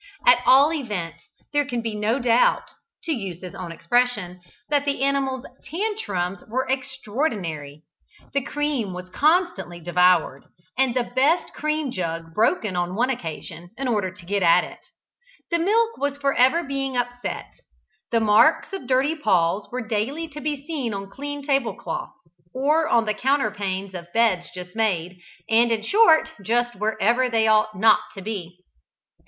At all events, there can be no doubt (to use his own expression) that the animal's "tantrums" were extraordinary; the cream was constantly devoured, and the best cream jug broken on one occasion, in order to get at it; the milk was for ever being upset; the marks of dirty paws were daily to be seen on clean table cloths, or on the counterpanes of beds just made, and, in short, just wherever they ought not to be.